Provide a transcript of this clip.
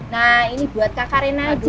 nah ini buat kak reyna aja